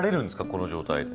この状態で。